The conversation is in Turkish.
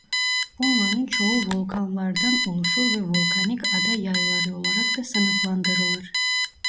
Bunların çoğu volkanlardan oluşur ve volkanik ada yayları olarak da sınıflandırılır.